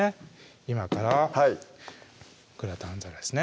今からグラタン皿ですね